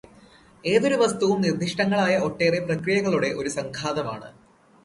ഏതൊരു വസ്തുവും നിർദിഷ്ടങ്ങളായ ഒട്ടേറെ പ്രക്രിയകളുടെ ഒരു സംഘാതം ആണ്.